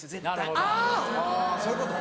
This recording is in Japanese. あぁそういうこと。